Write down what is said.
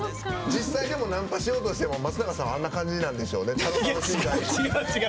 実際、でもナンパしようとしても松永さんあんな感じなんでしょうね。